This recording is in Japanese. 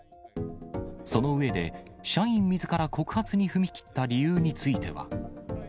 その上で、社員みずから告発に踏み切った理由については。